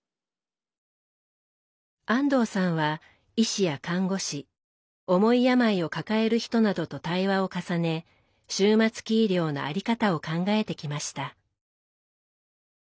安藤さんは医師や看護師重い病を抱える人などと対話を重ね終末期医療の在り方を考えてきました。